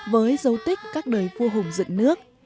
với dấu tích các đời vua hùng dựng nước